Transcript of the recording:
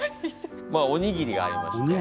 まあおにぎりがありますね。